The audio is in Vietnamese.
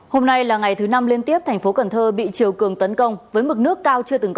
hôm nay là ngày thứ năm liên tiếp tp cần thơ bị chiều cường tấn công với mực nước cao chưa từng có